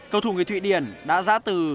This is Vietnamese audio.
cầu thủ người thụy điển đã giã từ